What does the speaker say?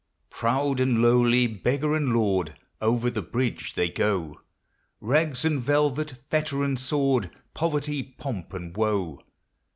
Proud and lowly, beggar and lord, Over the bridge they go ; Rags and velvet, fetter and sword, Poverty, pomp, and woe.